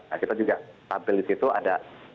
nah kita juga tampil di situ ada